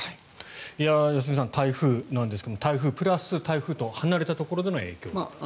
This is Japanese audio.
良純さん、台風なんですが台風プラス台風とは離れたところでの影響ということですね。